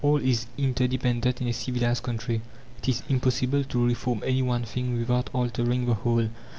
All is interdependent in a civilized society; it is impossible to reform any one thing without altering the whole.